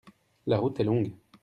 la route est longue.